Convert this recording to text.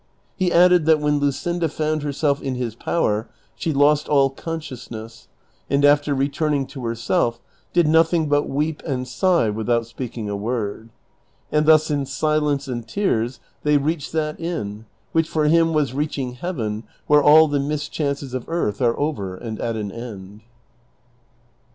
He added that when Luscinda foimd herself in his power she lost all consciousness, and after returning to herself did nothing but weep and sigh without speaking a word ; and thus in silence and tears they reached that inn, which for him was reaching heaven where all the mischances of earth are over and at an end.